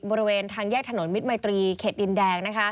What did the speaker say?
บริเวณทางแยกถนนมิตรมัยตรีเขตดินแดง